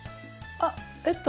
あっえっと